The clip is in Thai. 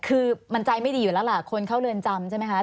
คือมันใจไม่ดีอยู่แล้วล่ะคนเข้าเรือนจำใช่ไหมคะ